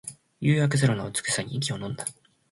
夕焼け空の美しさに息をのんだ